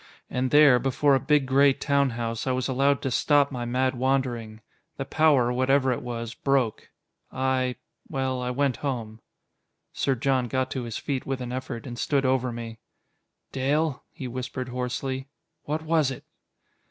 And there, before a big gray town house, I was allowed to stop my mad wandering. The power, whatever it was, broke. I well, I went home." Sir John got to his feet with an effort, and stood over me. "Dale," he whispered hoarsely, "what was it?"